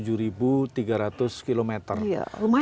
lumayan ya cukup banyak kan